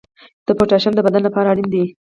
د پوتاشیم د بدن لپاره اړین دی.